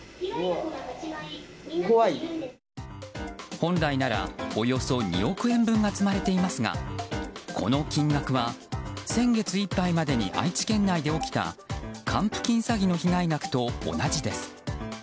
本来ならおよそ２億円分が積まれていますがこの金額は先月いっぱいまでに愛知県内で起きた還付金詐欺の被害額と同じです。